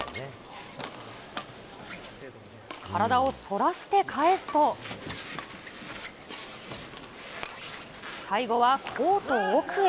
体を反らして返すと、最後はコート奥へ。